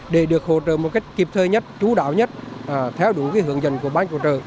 để được hỗ trợ một cách kịp thời nhất chú đáo nhất theo đúng hướng dẫn của ban quản trợ